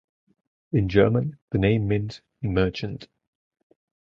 In German, the name means "merchant".